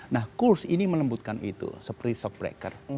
nah kurs ini melembutkan itu seperti shock breaker